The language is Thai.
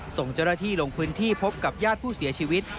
ส่งเจอร์ธีลงพื้นที่พบกับย่าผู้เสียชีวิต